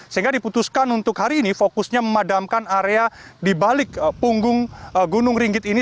sehingga diputuskan untuk hari ini fokusnya memadamkan area di balik punggung gunung ringgit ini